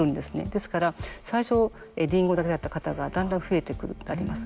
ですから最初リンゴだけだった方がだんだん増えてくることがあります。